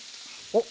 おっ！